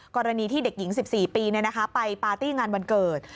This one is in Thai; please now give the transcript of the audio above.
กรณีที่เด็กหญิง๑๔ปีไปปาร์ตี้งานวันเกิด